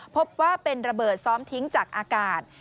พบว่าเป็นระเบิดซ้อมทิ้งจากอากาศ